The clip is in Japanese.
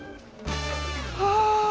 はあ。